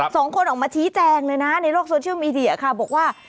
ออกมาชี้แจงเลยนะในโลกโซเชียลมีเดียค่ะบอกว่า